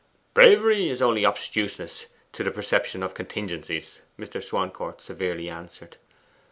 'Bravery is only obtuseness to the perception of contingencies,' Mr. Swancourt severely answered.